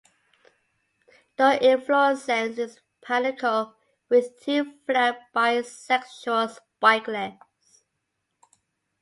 The inflorescence is a panicle with two-flowered bisexual spikelets.